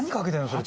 それ。